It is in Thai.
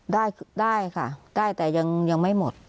ได้ได้ค่ะได้แต่ยังไม่หมด